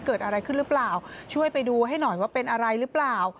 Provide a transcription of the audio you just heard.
เกิดอะไรขึ้นหรือเปล่าช่วยไปดูให้หน่อยว่าเป็นอะไรหรือเปล่า